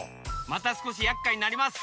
またすこしやっかいになります。